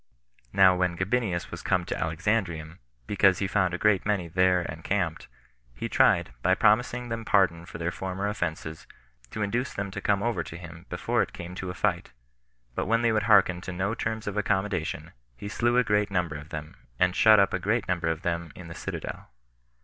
4. Now when Gabinius was come to Alexandrium, because he found a great many there en camped, he tried, by promising them pardon for their former offenses, to induce them to come over to him before it came to a fight; but when they would hearken to no terms of accommodation, he slew a great number of them, and shut up a great number of them in the citadel.